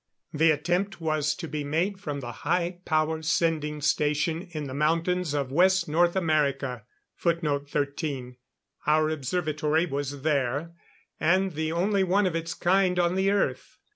The attempt was to be made from the high power sending station in the mountains of West North America. Our observatory was there; and the only one of its kind on the Earth.